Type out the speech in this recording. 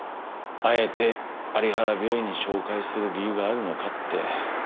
あえて有原病院に紹介する理由があるのかって。